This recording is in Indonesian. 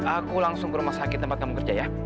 aku langsung ke rumah sakit tempat kamu kerja ya